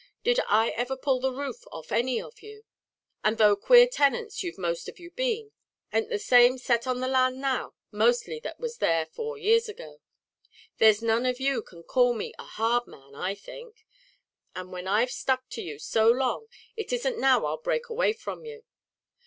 Did I ever pull the roof off any of you? And though queer tenants you've most of you been, an't the same set on the land now mostly that there was four years ago? There's none of you can call me a hard man, I think; and when I've stuck to you so long, it isn't now I'll break away from you."